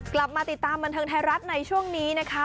กลับมาติดตามบันเทิงไทยรัฐในช่วงนี้นะคะ